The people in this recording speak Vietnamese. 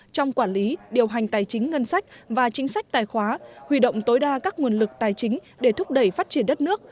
trong quản lý điều hành tài chính ngân sách và chính sách tài khóa huy động tối đa các nguồn lực tài chính để thúc đẩy phát triển đất nước